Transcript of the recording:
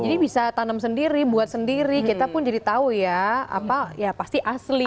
jadi bisa tanam sendiri buat sendiri kita pun jadi tau ya apa ya pasti asli